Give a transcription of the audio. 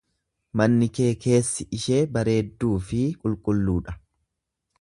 Manni kee keessi ishee bareedduu fi qulqulluu dha.